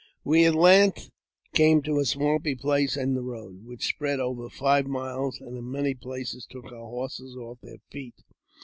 We at length came to a swampy place in the road, which spread over five miles, and in many places took our horses oflf their feet.